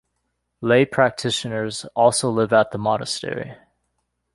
Lay practitioners also live at the monastery.